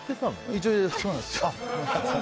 一応、そうなんです。